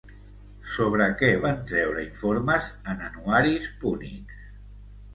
Sobre què van treure informes en anuaris púnics?